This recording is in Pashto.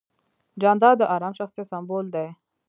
جانداد د ارام شخصیت سمبول دی.